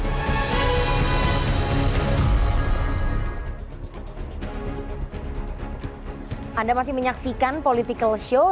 terima kasih menyaksikan politikal show